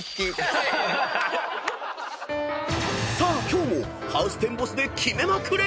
［さあ今日もハウステンボスでキメまくれ！］